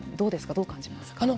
どう感じますか。